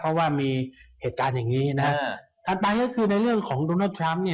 เพราะว่ามีเหตุการณ์อย่างนี้นะฮะถัดไปก็คือในเรื่องของโดนัลดทรัมป์เนี่ย